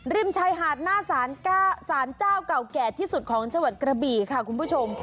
ริมชายหาดหน้าสารเจ้าเก่าแก่ที่สุดของจังหวัดกระบี่ค่ะคุณผู้ชม